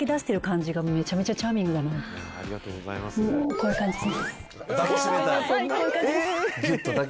こういう感じです。